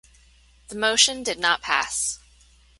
The motion did not pass.